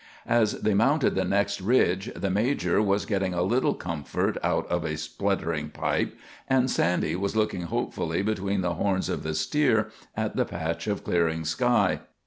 As they mounted the next ridge, the major was getting a little comfort out of a spluttering pipe, and Sandy was looking hopefully between the horns of the steer at the patch of clearing sky.